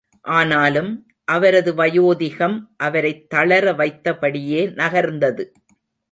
ஆனாலும், அவரது வயோதிகம் அவரைத் தளர வைத்த படியே நகர்ந்தது.